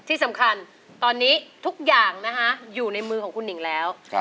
ที่สำคัญตอนนี้ทุกอย่างนะคะอยู่ในมือของคุณหนิ่งแล้ว